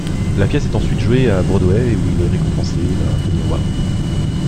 La pièce est ensuite jouée à Broadway où il est récompensé d'un Tony Award.